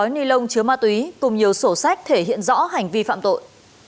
một mươi viên lông chứa ma túy cùng nhiều sổ sách thể hiện rõ hành vi phạm tội